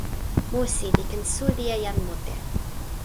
musi li ken suli e jan mute.